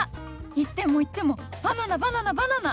行っても行ってもバナナバナナバナナ！